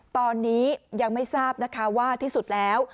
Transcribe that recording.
ตอนนี้ยังไม่ทราบนะคะว่าที่สุดแล้ว